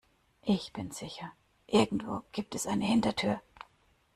Ich bin sicher, irgendwo gibt es eine Hintertür.